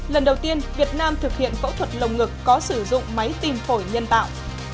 lần đầu tiên việt nam thực hiện phẫu thuật lồng ngực có sử dụng máy tim phổi nhân tạo